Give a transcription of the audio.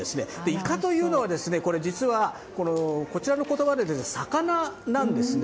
イカというのは実はこちらの言葉で「魚」なんですね。